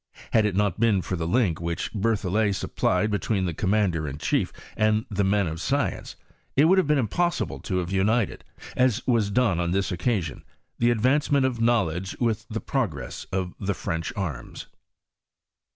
Had it not been foe the link which Berthollet supplied between the com mander in chief and the men of science, it would have been impossible to have united, as was done on this occasion, the advancement of knowledge with the progress of the French arms.